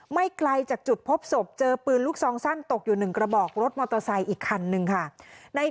ไม่ไกลจากจุดพบศพเจอปืนลูกซองสั้นตกอยู่๑กระบอกรถมอเตอร์ไซค์อีกคันนึงค่ะ